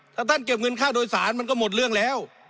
ถ้าท่านเก็บเงินค่าโดยสารมันก็หมดเรื่องแล้ว